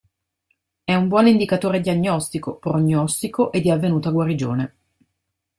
È un buon indicatore diagnostico, prognostico e di avvenuta guarigione.